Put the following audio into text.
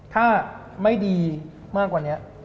ถ้าไม่ดีมากกว่านี้